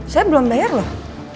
saya belum bayar loh